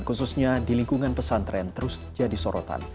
khususnya di lingkungan pesantren terus jadi sorotan